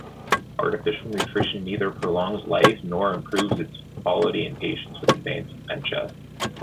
Artificial nutrition neither prolongs life nor improves its quality in patients with advanced dementia.